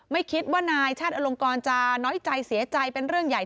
ไม่คิดว่านายชาติอลงกรจะน้อยใจเสียใจเป็นเรื่องใหญ่